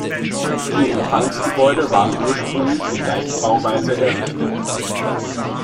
Die Empfangsgebäude waren ursprünglich in Leichtbauweise errichtet.